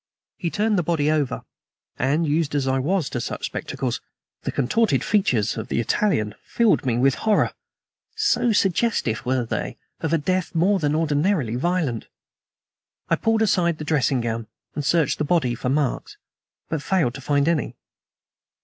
He turned the body over, and, used as I was to such spectacles, the contorted features of the Italian filled me with horror, so suggestive were they of a death more than ordinarily violent. I pulled aside the dressing gown and searched the body for marks, but failed to find any.